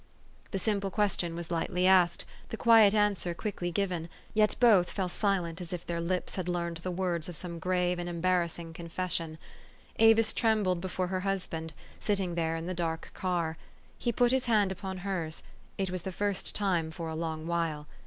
The simple question was lightly asked, the quiet answer quickty given ; yet both fell silent, as if their lips had learned the words of some grave and embar rassing confession. Avis trembled beside her hus band, sitting there in the dark car. He put his hand upon hers : it was the first time for a long while.